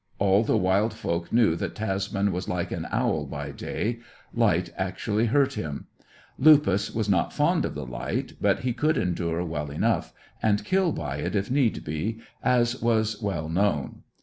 All the wild folk knew that Tasman was like an owl by day; light actually hurt him. Lupus was not fond of the light, but he could endure well enough, and kill by it if need be, as was well known.